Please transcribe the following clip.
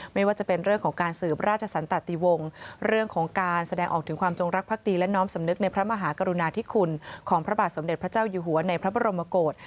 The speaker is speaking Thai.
ไม่ว่าจะเป็นเรื่องของการสืบราชสันตติวงเรื่องของการแสดงออกถึงความจงรักภักดีและน้อมสำนึกในพระมหากรุณาธิคุณของพระบาทสมเด็จพระเจ้าอยู่หัวในพระบรมกฏ